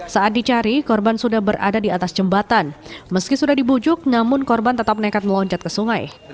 saat dicari korban sudah berada di atas jembatan meski sudah dibujuk namun korban tetap nekat meloncat ke sungai